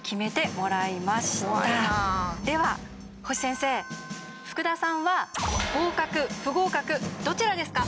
では星先生福田さんは合格不合格どちらですか？